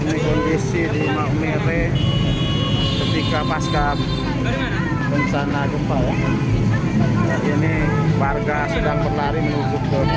ini kondisi di maumere ketika pasca bencana gempa ya ini warga sudah berlari menuju ke